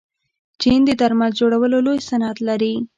چین د درمل جوړولو لوی صنعت لري.